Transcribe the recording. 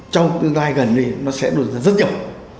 trong tương lai gần đây nó sẽ được rất nhiều